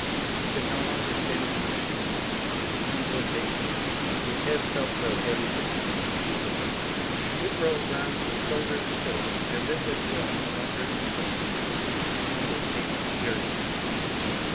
He could no longer stand on his feet; his knees were shaking; his head felt so heavy that he could not keep it up. It rolled round from shoulder to shoulder, as if his will no longer controlled it. And it ached furiously.